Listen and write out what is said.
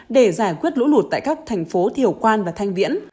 để giải quyết lũ lụt tại các thành phố thiểu quan và thanh viễn